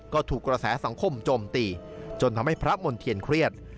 ก็ถูกกระแสสังคมโจมตีจนทำให้พระมณ์เทียนเครียด